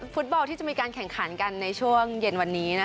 ฟุตบอลที่จะมีการแข่งขันกันในช่วงเย็นวันนี้